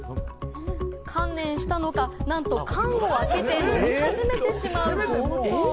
観念したのかなんと缶を開けて飲み始めてしまう強盗。